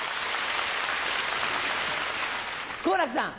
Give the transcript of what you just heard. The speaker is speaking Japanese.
好楽さん。